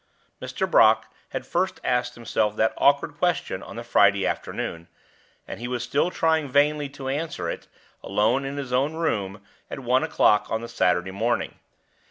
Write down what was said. Mr. Brock had first asked himself that awkward question on the Friday afternoon, and he was still trying vainly to answer it, alone in his own room, at one o'clock on the Saturday morning.